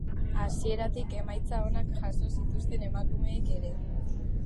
Hasieratik emaitza onak jaso zituzten emakumeek ere.